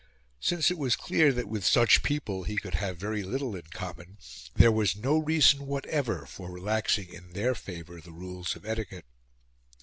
Since it was clear that with such people he could have very little in common, there was no reason whatever for relaxing in their favour the rules of etiquette.